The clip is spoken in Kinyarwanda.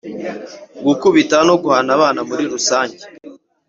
gukubita no guhana abana muri rusange: